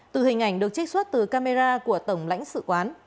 từ hình ảnh được trích xuất từ camera của tổng lãnh sự quán